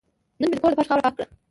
نن مې د کور د فرش خاوره پاکه کړه.